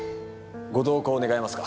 ご同行願えますか？